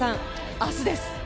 明日です。